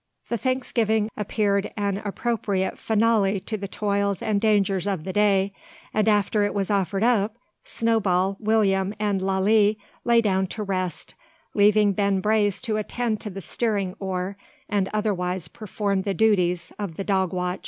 The thanksgiving appeared an appropriate finale to the toils and dangers of the day; and after it was offered up, Snowball, William, and Lalee lay down to rest, leaving Ben Brace to attend to the steering oar, and otherwise perform the duties of the dog watch.